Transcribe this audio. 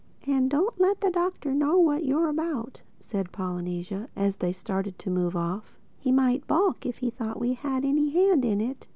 "And don't let the Doctor know what you're about," said Polynesia as they started to move off. "He might balk if he thought we had any hand in it.